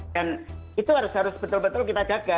dan itu harus betul betul kita jaga